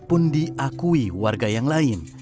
pun diakui warga yang lain